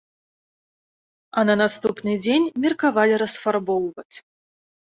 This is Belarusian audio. А на наступны дзень меркавалі расфарбоўваць.